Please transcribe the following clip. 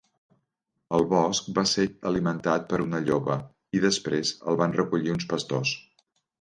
Al bosc, va ser alimentat per una lloba i després el van recollir uns pastors.